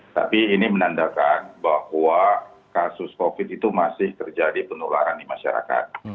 tapi ini menandakan bahwa kasus covid itu masih terjadi penularan di masyarakat